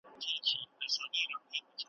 چي اسمان ورته نجات نه دی لیکلی `